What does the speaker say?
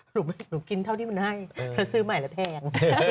หนูกินเท่าที่มันให้เธอซื้อใหม่แล้วแพง